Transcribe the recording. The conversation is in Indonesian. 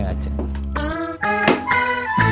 nih bolok ke dalam